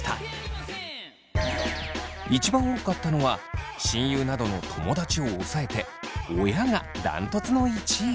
一番多かったのは親友などの友達を抑えて親が断トツの１位。